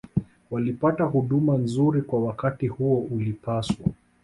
walipata huduma nzuri Kwa wakati huo ulipaswa